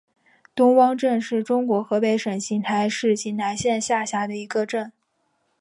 东汪镇是中国河北省邢台市邢台县下辖的一个镇。